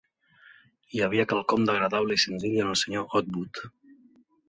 "Hi havia quelcom d'agradable i senzill en el Sr. Outwood."